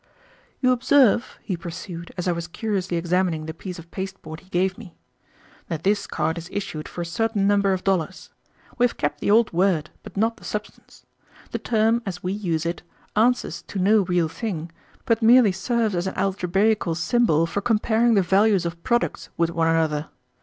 "You observe," he pursued as I was curiously examining the piece of pasteboard he gave me, "that this card is issued for a certain number of dollars. We have kept the old word, but not the substance. The term, as we use it, answers to no real thing, but merely serves as an algebraical symbol for comparing the values of products with one another.